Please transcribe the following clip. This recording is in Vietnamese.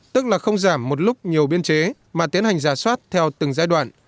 tức là không giảm một lúc nhiều biên chế mà tiến hành giả soát theo từng giai đoạn